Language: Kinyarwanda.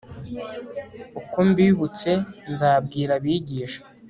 uko mbibutse nzabwira abigisha